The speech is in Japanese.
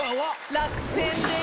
落選です。